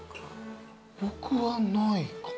僕はないかも。